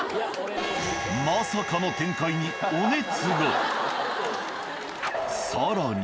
まさかの展開にお熱が。